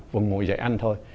và ngồi dậy ăn thôi